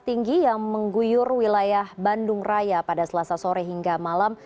tinggi yang mengguyur wilayah bandung raya pada selasa sore hingga malam